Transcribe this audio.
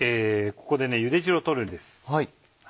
ここでゆで汁を取るんです。